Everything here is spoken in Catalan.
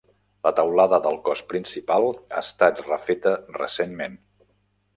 La teulada del cos principal ha estat refeta recentment.